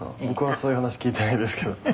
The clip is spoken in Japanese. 「僕はそういう話聞いてないですけど」